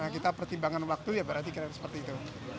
kita pertimbangan waktu ya berarti kira kira seperti itu